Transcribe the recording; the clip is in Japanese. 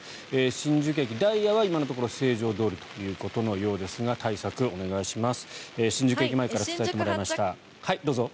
新宿駅、ダイヤは今のところ平常どおりということですが対策をお願いします。